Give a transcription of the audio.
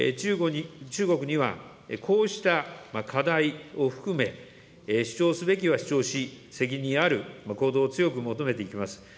中国にはこうした課題を含め、主張すべきは主張し、責任ある行動を強く求めていきます。